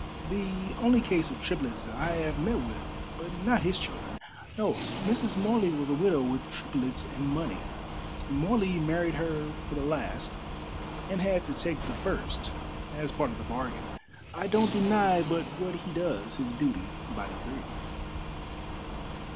"The only case of triplets I have met with, but not his children. No, Mrs. Morley was a widow with triplets and money. Morley married her for the last, and had to take the first as part of the bargain. I don't deny but what he does his duty by the three."